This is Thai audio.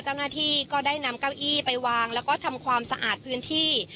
เจ้าหน้าที่ก็ได้นำเก้าอี้ไปวางแล้วก็ทำความสะอาดพื้นที่